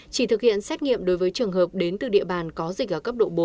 chỉ thực hiện xét nghiệm đối với trường hợp đến từ địa bàn có dịch ở cấp độ bốn